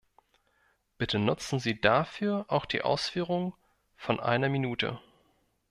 Bitte nutzen Sie dafür auch die Ausführungen von einer Minute.